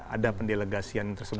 ada pendelegasian tersebut